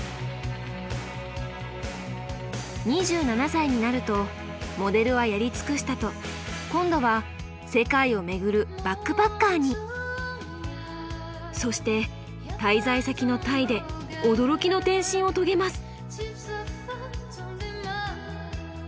２７歳になるとモデルはやり尽くしたと今度はそして滞在先のタイで驚きの転身を遂げます。